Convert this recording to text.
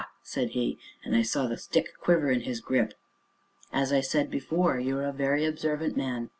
said he, and I saw the stick quiver in his grip. "As I said before, you are a very observant man!"